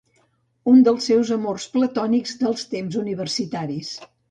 Un dels seus amors platònics dels temps universitaris.